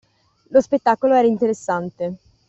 Lo spettacolo era interessante.